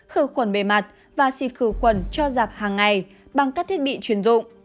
khử khuẩn bề mặt và xịt khử khuẩn cho giảm hàng ngày bằng các thiết bị chuyển dụng